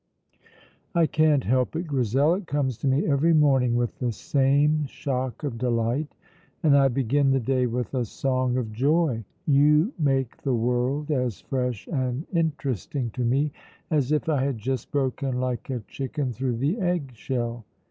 "I can't help it, Grizel; it comes to me every morning with the same shock of delight, and I begin the day with a song of joy. You make the world as fresh and interesting to me as if I had just broken like a chicken through the egg shell."